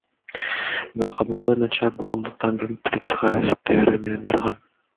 Бирок абалы начар болгондуктан полицияга өз ыктыяры менен барган.